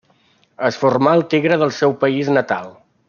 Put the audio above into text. Es formà al Tigre del seu país natal.